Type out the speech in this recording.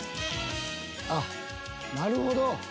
あっなるほど！